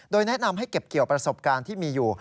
โดยแนะนำให้เก็บเกี่ยวประสบการณ์ที่มีอยู่